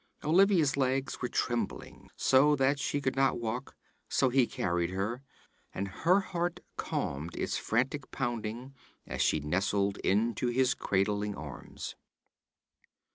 Olivia's legs were trembling so that she could not walk; so he carried her, and her heart calmed its frantic pounding as she nestled into his cradling arms.